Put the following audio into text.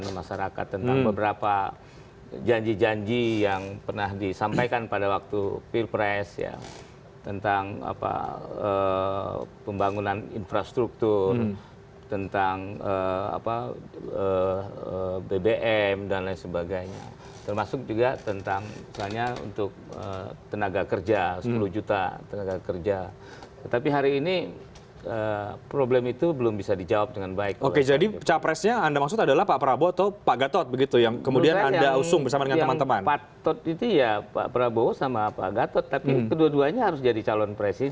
menyinggung mengenai pak prabowo